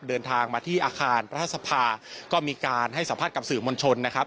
เดินทางมาที่อาคารรัฐสภาก็มีการให้สัมภาษณ์กับสื่อมวลชนนะครับ